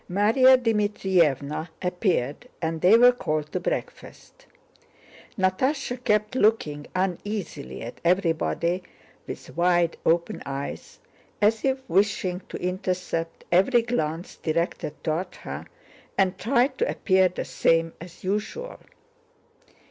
Márya Dmítrievna appeared, and they were called to breakfast. Natásha kept looking uneasily at everybody with wide open eyes, as if wishing to intercept every glance directed toward her, and tried to appear the same as usual.